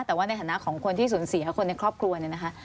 แต่ว่าในฐานะของคนที่สูญเสียคนในครอบครัวเนี่ยนะคะ